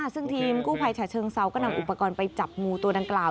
ซึ่งทีมกู้ภัยฉะเชิงเซาก็นำอุปกรณ์ไปจับงูตัวดังกล่าว